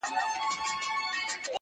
که نه څنګه دي زده کړې دا خبري!!